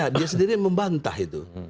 dia sendiri membantah itu